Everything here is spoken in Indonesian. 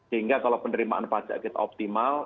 sehingga kalau penerimaan pajak kita optimal